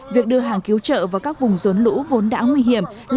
việc đưa hàng cứu trợ vào các vùng rốn lũ vốn đã nguy hiểm